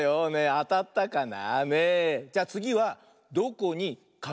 あたったかな？